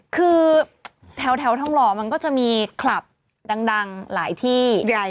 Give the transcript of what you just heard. คือแถวทองหล่อมันก็จะมีคลับดังหลายที่